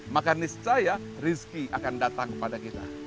maka niscaya rizki akan datang kepada kita